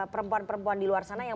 perempuan perempuan di luar sana yang